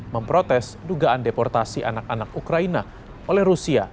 memprotes dugaan deportasi anak anak ukraina oleh rusia